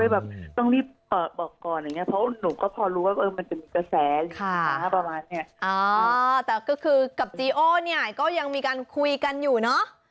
กับจีโอเนี่ยก็ยังมีกันคุยกันอยู่เนาะ